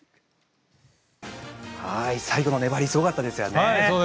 最後の粘りすごかったですね。